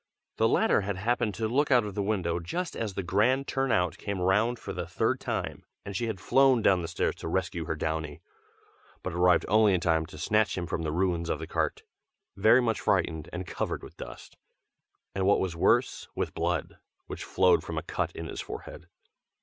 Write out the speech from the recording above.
The latter had happened to look out of the window just as the grand turn out came round for the third time, and she had flown down stairs to rescue her Downy, but arrived only in time to snatch him from the ruins of the cart, very much frightened and covered with dust, and what was worse with blood, which flowed from a cut in his forehead.